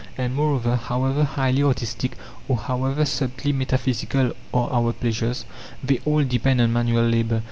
And, moreover, however highly artistic or however subtly metaphysical are our pleasures, they all depend on manual labour.